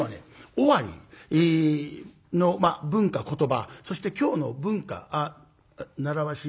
尾張の文化言葉そして京の文化習わし